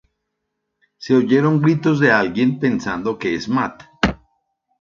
Se oyen gritos de alguien, pensando que es Matt.